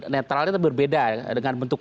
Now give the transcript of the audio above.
netralnya itu berbeda dengan bentuk